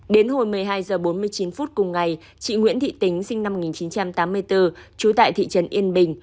đến hồi một mươi hai h bốn mươi chín phút cùng ngày chị nguyễn thị tính sinh năm một nghìn chín trăm tám mươi bốn trú tại thị trấn yên bình